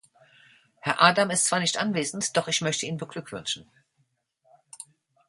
Herr Adam ist zwar nicht anwesend, doch ich möchte ihn beglückwünschen.